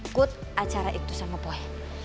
dan gak ikut acara itu sama boy